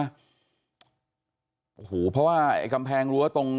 โอ้โหเพราะว่าไอ้กำแพงรั้วตรง